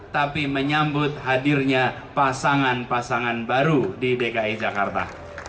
tapi menyambut hadirnya pasangan pasangan baru di dki jakarta